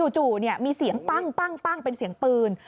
จู่มีเสียงปั้งเป็นเสียงปืน